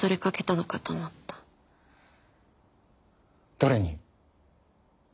誰に？